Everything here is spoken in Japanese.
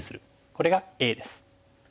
これがＡです。